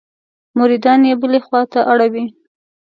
مریدان یې بلې خوا ته اړوي.